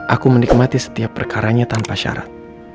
aku menikmati setiap perkaranya tanpa syarat